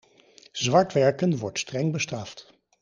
Zwartwerken wordt streng bestraft.